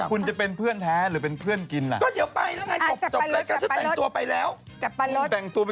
คุณจะเป็นเพื่อนแท้หรือเป็นเพื่อนกินล่ะ